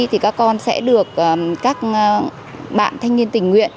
thì các con sẽ được các bạn thanh niên tình nguyện